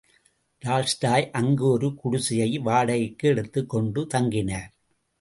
Tolstoy அங்கே ஒரு குடிசையை வாடகைக்கு எடுத்துக் கொண்டு தங்கினார்.